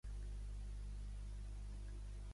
El seu objectiu era cristianitzar aquell país.